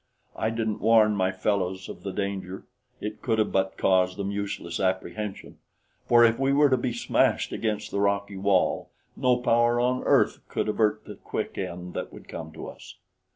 I didn't warn my fellows of the danger it could have but caused them useless apprehension, for if we were to be smashed against the rocky wall, no power on earth could avert the quick end that would come to us.